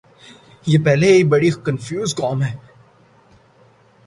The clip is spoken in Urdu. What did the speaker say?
یہ پہلے ہی بڑی کنفیوز قوم ہے۔